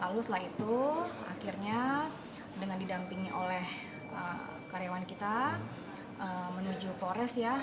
lalu setelah itu akhirnya dengan didampingi oleh karyawan kita menuju pores ya